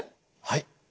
はい。